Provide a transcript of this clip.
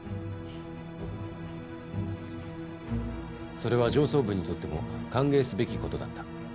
それは上層部にとっても歓迎すべき事だった。